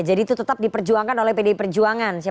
jadi itu tetap diperjuangkan oleh pdi perjuangan ya